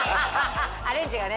アレンジがね。